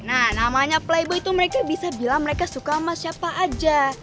nah namanya playbo itu mereka bisa bilang mereka suka sama siapa aja